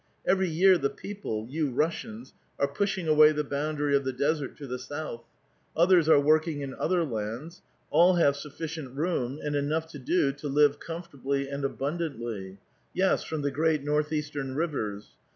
Every year the peo|)le, you Russians, are pushing away the boun dary of the desert to the south ; others are working: in other lands ; all have sufBcient room, and enough to do to live comfortably and abundantly ; yes, from the great north eastern rivers.